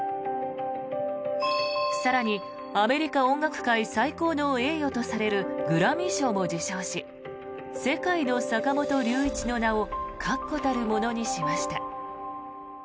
更に、アメリカ音楽界最高の栄誉とされるグラミー賞も受賞し世界の坂本龍一の名を確固たるものにしました。